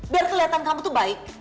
biar kelihatan kamu tuh baik